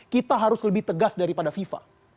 kita harus lebih tegas daripada fifa